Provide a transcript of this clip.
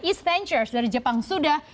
east ventures dari jepang sudah